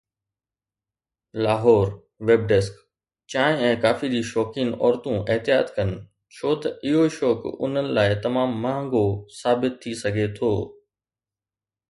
Lahore (web desk) چانهه ۽ coffee جو شوقين عورتون احتياط ڪن ڇو ته اهو شوق انهن لاءِ تمام مهانگو ثابت ٿي سگهي ٿو